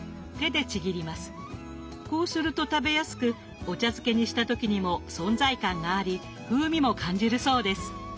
こうすると食べやすくお茶漬けにした時にも存在感があり風味も感じるそうです。